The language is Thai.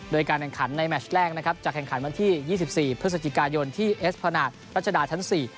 โดยการแข่งขันในแมชแรกนะครับจะแข่งขันวันที่๒๔พฤศจิกายนที่เอสพนาทรัชดาชั้น๔